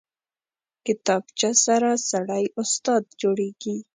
کتابچه سره سړی استاد جوړېږي